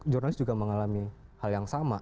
jurnalis juga mengalami hal yang sama